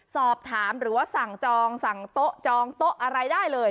สอบถามหรือว่าสั่งจองสั่งโต๊ะจองโต๊ะอะไรได้เลย